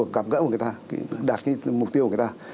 cảm gỡ của người ta đạt mục tiêu của người ta